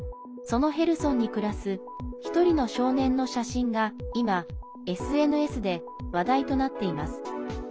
そのヘルソンに暮らす１人の少年の写真が今、ＳＮＳで話題となっています。